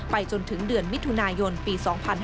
จนถึงเดือนมิถุนายนปี๒๕๕๙